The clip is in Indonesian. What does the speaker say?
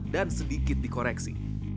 dan sedikit dikoreksi